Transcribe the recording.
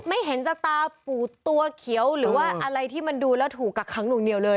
ไม่เห็นจะตาปูดตัวเขียวหรือว่าอะไรที่มันดูแล้วถูกกักขังหน่วงเหนียวเลย